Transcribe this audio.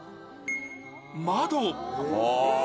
窓。